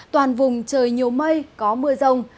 toàn vùng trời nhiều mây có mưa rông